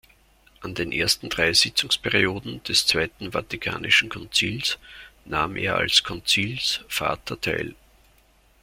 An den ersten drei Sitzungsperioden des Zweiten Vatikanischen Konzils nahm er als Konzilsvater teil.